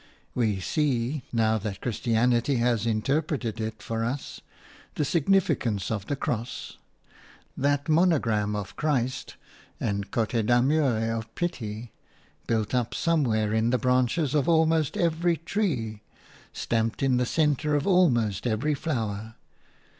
We see, now that Christianity has interpreted it for us, the significance of the cross – that monogram of Christ and cote armure of pity, built up somewhere in the branches of almost every tree, stamped in the centre of almost every flower.